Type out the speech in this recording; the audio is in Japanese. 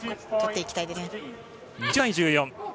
８対１４。